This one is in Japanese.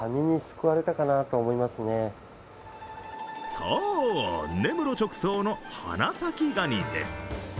そう、根室直送の花咲ガニです。